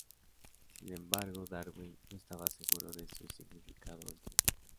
Sin embargo, Darwin no estaba seguro de su significado último.